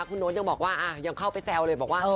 คุณโน๊ตยังบอกว่ายังเข้าไปแซวเลยบอกว่า